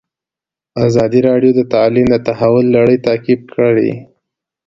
ازادي راډیو د تعلیم د تحول لړۍ تعقیب کړې.